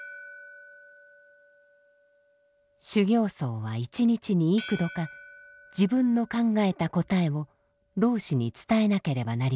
修行僧は一日に幾度か自分の考えた答えを老師に伝えなければなりません。